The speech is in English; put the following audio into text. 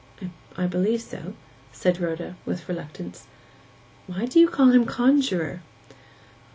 'I believe so,' said Rhoda, with reluctance. 'Why do you call him conjuror?